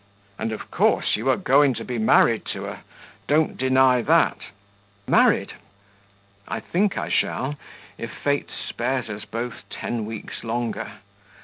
"And of course you are going to be married to her? Don't deny that." "Married! I think I shall if Fate spares us both ten weeks longer.